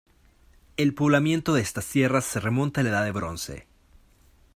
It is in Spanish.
El poblamiento de estas tierras se remonta a la Edad de Bronce.